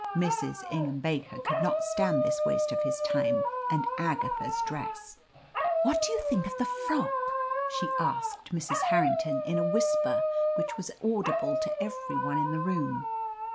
Mrs. Ingham Baker could not stand this waste of his time and Agatha's dress. "What do you think of the frock?" she asked Mrs. Harrington, in a whisper which was audible to every one in the room.